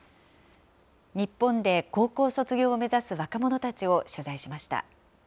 日本で高校卒業を目指す若者たちを取材しました。